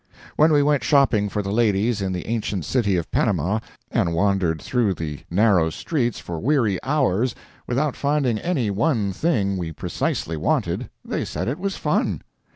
When we went shopping for the ladies in the ancient city of Panama, and wandered through the narrow streets for weary hours without finding any one thing we precisely wanted, they said it was fun.